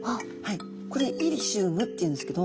これイリシウムっていうんですけど。